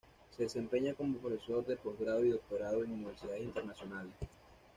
Se desempeña como profesor de posgrado y doctorado en universidades internacionales.